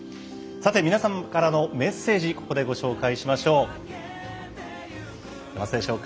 さて皆さんからのメッセージここでご紹介しましょう。